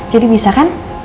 jadi bisa kan